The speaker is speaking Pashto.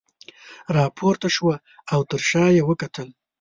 راپورته شوه او تر شاه یې وکتل.